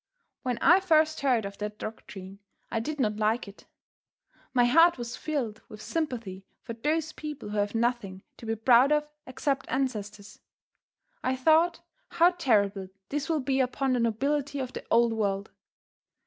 When I first heard of that doctrine I did not like it. My heart was filled with sympathy for those people who have nothing to be proud of except ancestors. I thought, how terrible this will be upon the nobility of the Old World.